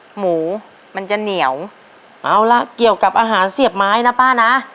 หมูมันจะเหนียวเอาล่ะเกี่ยวกับอาหารเสียบไม้นะป้านะ